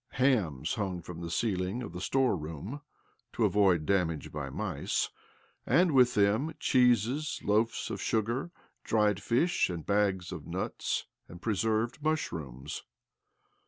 Hams hung from the ceiling of the store room (to avoid damage by mice), and, with them, cheeses, loaves of sugar, dried fish, and bags of nuts and preserved mushrooms.